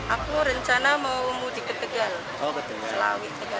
aku rencana mau mudik ke tegal